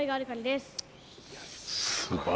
すごいわ。